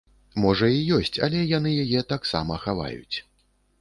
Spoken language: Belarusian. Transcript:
Можа і ёсць, але яны яе таксама хаваюць.